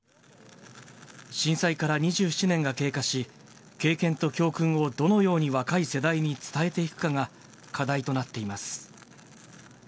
震災から２７年が経過し、経験と教訓をどのように若い世代に伝えていくかが、課題となっています。